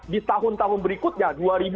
di tahun tahun berikutnya